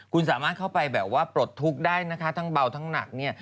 คุณสามารถเข้าไปแบบว่าปลดทุกข์ได้นะคะทั้งเบาทั้งหนักเนี่ย